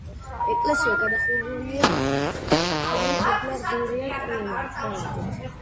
ეკლესია გადახურული ყოფილა ღარიანი კრამიტით.